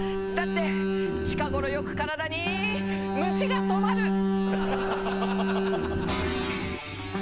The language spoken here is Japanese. だって近頃よく体に虫が止まる！